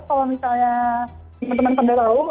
kalau misalnya teman teman sudah tahu